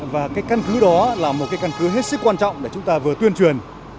và cái căn cứ đó là một cái căn cứ hết sức quan trọng để chúng ta vừa tuyên truyền